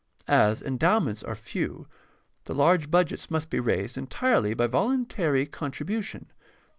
As endowments are few, the large budgets must be raised entirely by voluntary con tribution.